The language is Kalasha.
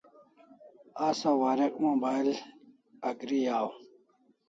Asa warek mobile Agri aw